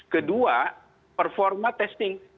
kedua performa testing